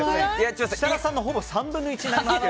設楽さんのほぼ３分の１です。